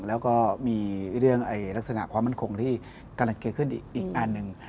แล้วก็มีเรื่องลักษณะความมั่นคงที่กำลังเกิดขึ้นอีกอันหนึ่ง